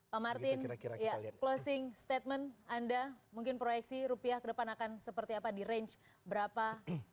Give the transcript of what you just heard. pak martin closing statement anda mungkin proyeksi rupiah ke depan akan seperti apa di range berapa